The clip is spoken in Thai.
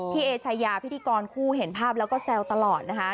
เอชายาพิธีกรคู่เห็นภาพแล้วก็แซวตลอดนะคะ